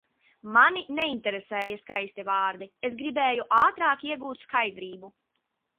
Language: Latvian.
Mani neinteresēja skaisti vārdi, es gribēju ātrāk iegūt skaidrību.